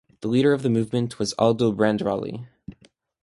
The leader of the movement was Aldo Brandirali.